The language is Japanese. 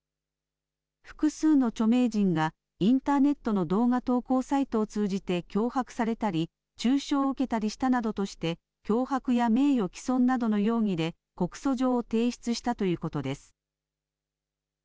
複数の著名人がインターネットの動画投稿サイトを通じて脅迫されたり中傷を受けたりしたなどとして脅迫や名誉毀損などの容疑で告訴状を提出したということです。